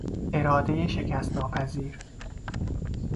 ارادهی شکست ناپذیر